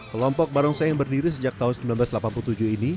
kelompok barongsai yang berdiri sejak tahun seribu sembilan ratus delapan puluh tujuh ini